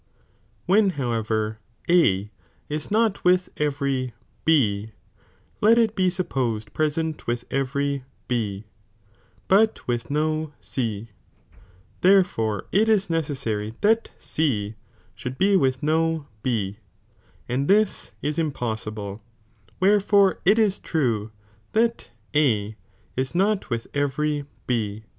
When however A is not with every B, let it be supposed present with every B, but with no C, therefore it ia necessary that C should bo with no B, and this is impossible, wherefore it is true that A is not with every B.